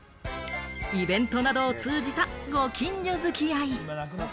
イベントなどを通じたご近所付き合い。